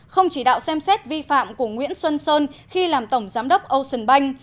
không chỉ đạo xem xét vi phạm của nguyễn xuân sơn khi làm tổng giám đốc ocean bank